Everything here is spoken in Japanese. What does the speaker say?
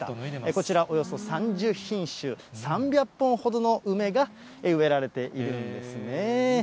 こちら、およそ３０品種、３００本ほどの梅が植えられているんですね。